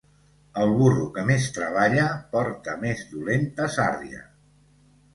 El burro que més treballa porta més dolenta sàrria.